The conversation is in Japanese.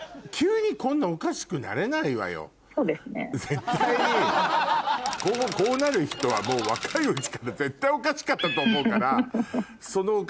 絶対にこうなる人はもう若いうちから絶対おかしかったと思うから。